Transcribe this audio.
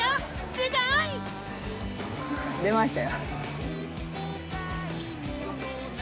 すごい！出ました。